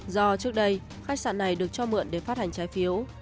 do trước đây khách sạn này được cho mượn để phát hành trái phiếu